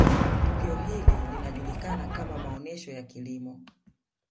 tukio hili linajulikana kama maonesho ya Kilimo